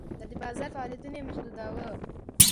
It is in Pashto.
دا د بازار فعالیتونه یې محدوداوه.